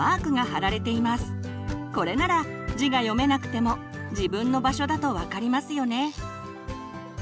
これなら字が読めなくても自分の場所だと分かりますよね。